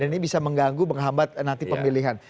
dan ini bisa mengganggu menghambat nanti pemilihan